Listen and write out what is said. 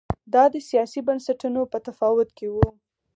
دا د سیاسي بنسټونو په تفاوت کې و